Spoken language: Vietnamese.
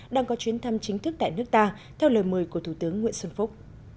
đang có chuyến thăm chính thức tại nước ta theo lời mời của thủ tướng nguyễn xuân phúc